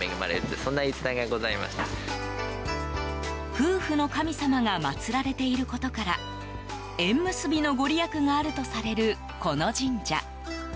夫婦の神様が祭られていることから縁結びのご利益があるとされるこの神社。